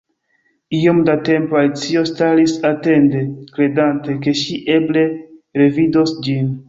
Iom da tempo Alicio staris atende, kredante ke ŝi eble revidos ĝin.